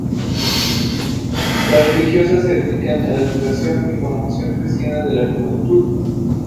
Las religiosas se dedican a la educación y formación cristiana de la juventud.